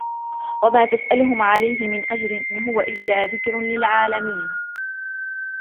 وَمَا تَسْأَلُهُمْ عَلَيْهِ مِنْ أَجْرٍ إِنْ هُوَ إِلَّا ذِكْرٌ لِلْعَالَمِينَ